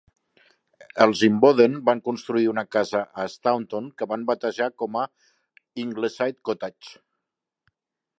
Els Imboden van construir una casa a Staunton que van batejar com a "Ingleside Cottage".